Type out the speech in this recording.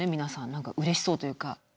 何かうれしそうというか。